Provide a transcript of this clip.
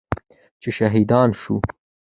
چې شهیدان شو.